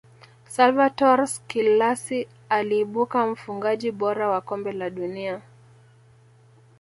salvatore schillaci aliibuka mfungaji bora wa kombe la dunia